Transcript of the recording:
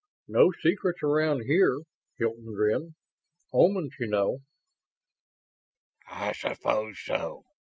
"No secrets around here," Hilton grinned. "Omans, you know." "I suppose so.